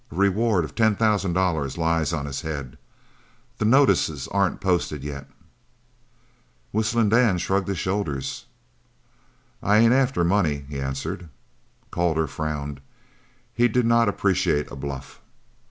A reward of ten thousand dollars lies on his head. The notices aren't posted yet." Whistling Dan shrugged his shoulders. "I ain't after money," he answered. Calder frowned. He did not appreciate a bluff.